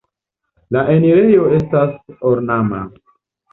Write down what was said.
La enirejo estas ornama.